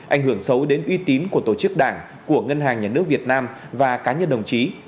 ảnh hưởng xấu đến uy tín của tổ chức đảng của ngân hàng nhà nước việt nam và cá nhân đồng chí